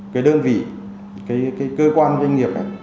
cái đơn vị cái cơ quan doanh nghiệp